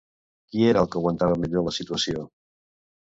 Qui era el que aguantava millor la situació?